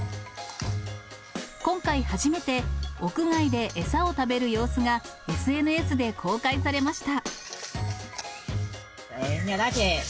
今回、初めて屋外で餌を食べる様子がＳＮＳで公開されました。